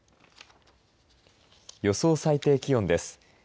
予想最低気温です。